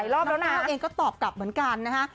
แล้วก้าวเองก็ตอบกลับเหมือนกันนะฮะ